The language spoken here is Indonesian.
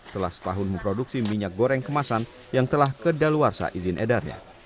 telah setahun memproduksi minyak goreng kemasan yang telah kedaluarsa izin edarnya